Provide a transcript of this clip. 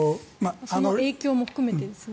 影響も含めてですね。